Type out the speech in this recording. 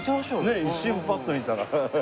ねえ一瞬パッと見たら。